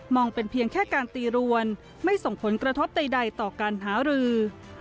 เป็นเพียงแค่การตีรวนไม่ส่งผลกระทบใดต่อการหารือ